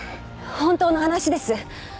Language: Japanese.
本当の話です。